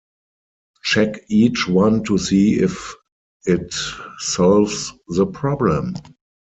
Check each one to see if it solves the problem.